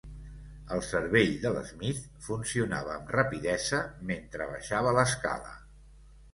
El cervell de l'Smith funcionava amb rapidesa mentre baixava l'escala.